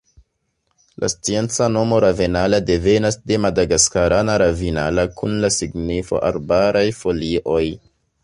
La scienca nomo "Ravenala" devenas de madagaskarana "ravinala" kun la signifo "arbaraj folioj".